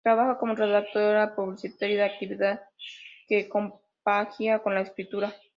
Trabaja como redactora publicitaria, actividad que compagina con la escritura.